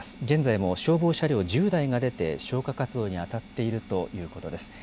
現在も消防車両１０台が出て、消火活動に当たっているということです。